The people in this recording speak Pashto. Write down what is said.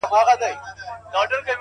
که ستا د قبر جنډې هر وخت ښکلول گلونه”